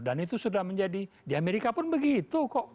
dan itu sudah menjadi di amerika pun begitu kok